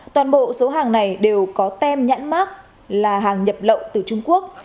toàn bộ số hàng này đều có tem nhãn mát là hàng nhập lậu từ trung quốc